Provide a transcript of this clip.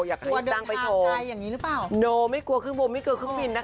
อยากให้ตั้งไปโชว์อย่างงี้หรือเปล่าไม่กลัวขึ้นบนไม่กลัวขึ้นฟินนะคะ